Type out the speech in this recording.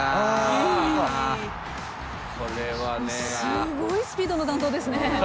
すごいスピードの弾道ですね。